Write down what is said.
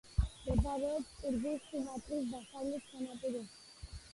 მდებარეობს კუნძულ სუმატრის დასავლეთ სანაპიროზე.